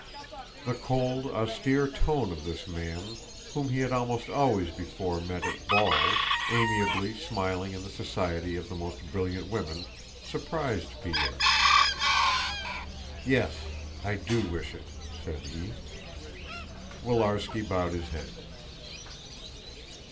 The cold, austere tone of this man, whom he had almost always before met at balls, amiably smiling in the society of the most brilliant women, surprised Pierre. "Yes, I do wish it," said he. Willarski bowed his head.